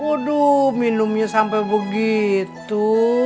aduh minumnya sampe begitu